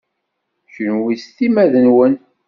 Kunwi s timmad-nwen.